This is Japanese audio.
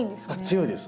強いです。